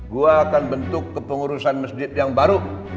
gue akan bentuk kepengurusan masjid yang baru